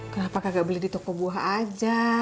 kenapa kagak beli di toko buah aja